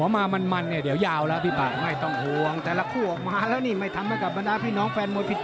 มวยไทยรักทร์มันพลิกตลอด